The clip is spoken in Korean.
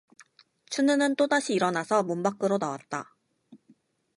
춘우는 또다시 일어나서 문 밖으로 나왔다.